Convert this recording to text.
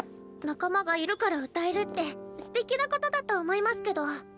仲間がいるから歌えるってすてきなことだと思いますけど。